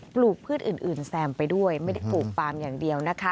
ปลูกพืชอื่นแซมไปด้วยไม่ได้ปลูกปลามอย่างเดียวนะคะ